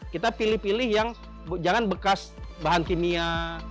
kita pilih pilih yang jangan bekas bahan kimia